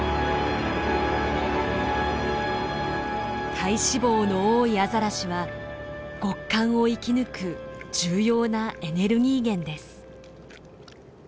体脂肪の多いアザラシは極寒を生き抜く重要なエネルギー源です。